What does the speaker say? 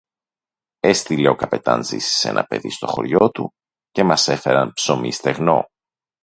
Έστειλε ο καπετάν-Ζήσης ένα παιδί στο χωριό του, και μας έφεραν ψωμί στεγνό